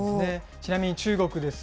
ちなみに中国です。